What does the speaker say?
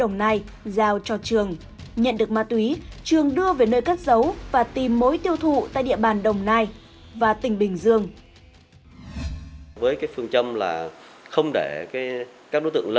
đồng nai giao cho trường nhận được ma túy trường đưa về nơi cất giấu và tìm mối tiêu thụ tại địa bàn đồng nai và tỉnh bình dương